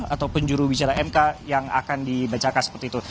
ataupun jurubicara mk yang akan dibacakan seperti itu